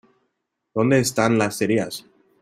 ¿ Dónde están las cerillas?